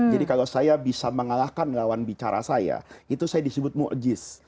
jadi kalau saya bisa mengalahkan lawan bicara saya itu saya disebut mukjiz